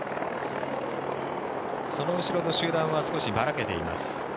その後ろの集団は少しばらけています。